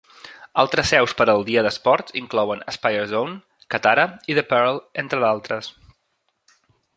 Altres seus per al dia d'esports inclouen Aspire Zone, Katara i The Pearl, entre d'altres.